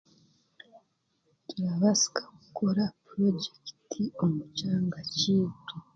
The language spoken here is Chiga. Kirabaasika kukora purojekiti omu kyanga kyaitu.